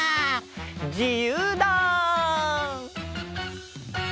じゆうだ！